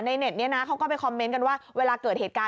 ในเน็ตเนี่ยนะเขาก็ไปคอมเมนต์กันว่า